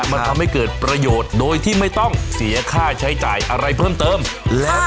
มันทำให้เกิดประโยชน์โดยที่ไม่ต้องเสียค่าใช้จ่ายอะไรเพิ่มเติมแล้ว